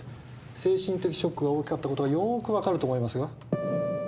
精神的ショックが大きかったことがよーく分かると思いますが。